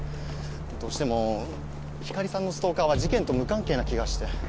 どうしても光莉さんのストーカーは事件と無関係な気がして。